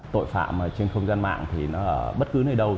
tội phạm trên không gian mạng thì nó ở bất cứ nơi đâu